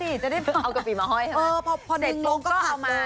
เหรออย่างนี้นี่ข้างจะได้เอากะปิมาห้อยเออพอนึงลงเอามา